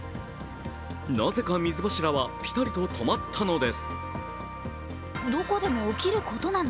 なぜか水柱はぴたっと止まったのです。